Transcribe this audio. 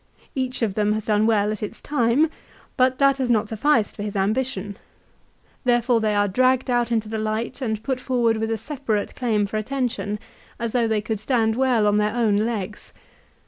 Each of them has done well at its time, but that has not sufficed for his ambition. Therefore they are dragged out into the light and put forward with a separate claim for attention, as though they could stand well on their own legs.